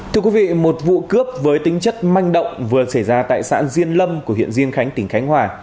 thưa quý vị một vụ cướp với tính chất manh động vừa xảy ra tại xã diên lâm của huyện diên khánh tỉnh khánh hòa